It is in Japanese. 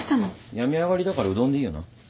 病み上がりだからうどんでいいよな？